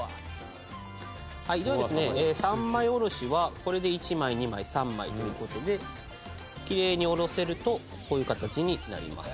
３枚おろしはこれで１枚２枚３枚という事できれいにおろせるとこういう形になります。